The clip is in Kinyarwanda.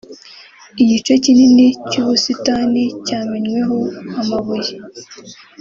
Igice kinini cy'ubusitani cyamenweho amabuye